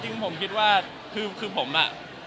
จริงผมคิดว่าคือผมอ่ะ